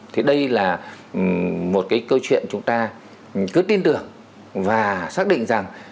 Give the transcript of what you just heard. thì đây là một cái câu chuyện chúng ta cứ tin tưởng và xác định rằng